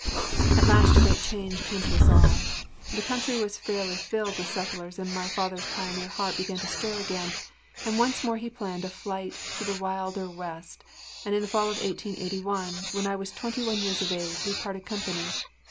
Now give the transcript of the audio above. AT last a great change came to us all. The country was fairly filled with settlers and my father’s pioneer heart began to stir again, and once more he planned a flight into the wilder West, and in the fall of 1881, when I was twenty one years of age, we parted company.